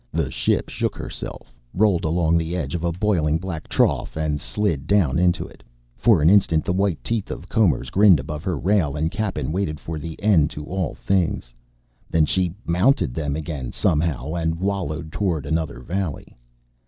The ship shook herself, rolled along the edge of a boiling black trough, and slid down into it; for an instant, the white teeth of combers grinned above her rail, and Cappen waited for an end to all things. Then she mounted them again, somehow, and wallowed toward another valley.